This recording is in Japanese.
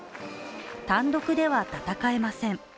単独では戦えません。